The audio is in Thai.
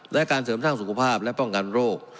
และการเสริมสร้างสุขภาพและป้องกันโรค